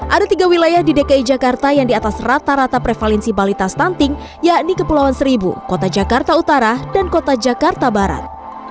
ada tiga wilayah di dki jakarta yang di atas rata rata prevalensi balita stunting yakni kepulauan seribu kota jakarta utara dan kota jakarta barat